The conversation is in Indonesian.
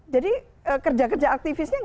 jadi kerja kerja aktivisnya